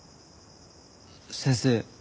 先生